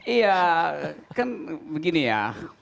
iya kan begini ya